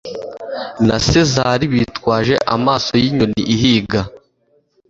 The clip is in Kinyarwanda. na Sezari bitwaje amaso y'inyoni ihiga